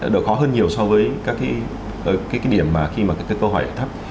độ khó hơn nhiều so với các cái điểm khi mà câu hỏi thấp